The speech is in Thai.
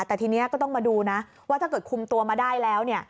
แต่ทีนี้ก็ต้องมาดูนะว่าถ้าเกิดคุมตัวมาได้แล้ว